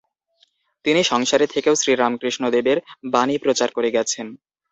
তিনি সংসারে থেকেও শ্রীরামকৃষ্ণদেবের বাণী প্রচার করে গেছেন।